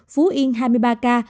phú yên hai mươi ba ca